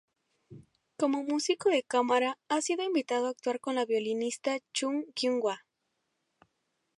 Como músico de cámara, ha sido invitado a actuar con la violinista Chung Kyung-wha.